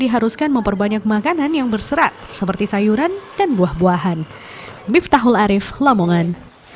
haruskan memperbanyak makanan yang berserat seperti sayuran dan buah buahan